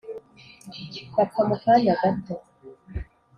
Bapfa mu kanya gato